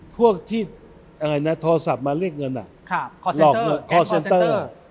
พวกที่โทรศัพท์มาเลขเงินรอกเงิน